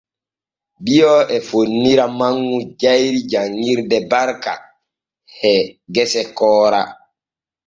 Bio e fonnira manŋu jayri janŋirde Barka e gasa Koora.